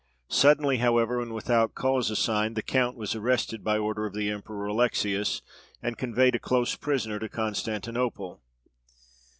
Suddenly, however, and without cause assigned, the count was arrested by order of the Emperor Alexius, and conveyed a close prisoner to Constantinople.